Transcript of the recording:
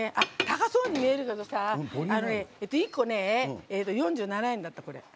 高そうに見えるけどさ１個４７円だった、これ。